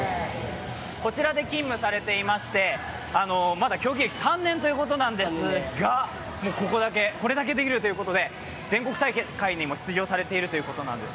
こちらで勤務されていましてまだ競技歴３年ということなんですがこれだけできるということで全国大会にも出場されているということなんです。